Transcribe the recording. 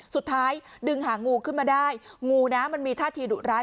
สุดท้ายดึงหางูขึ้นมาได้งูนะมันมีท่าทีดุร้าย